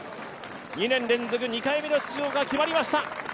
２年連続２回目の出場が決まりました。